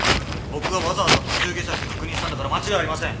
僕がわざわざ途中下車して確認したんだから間違いありません！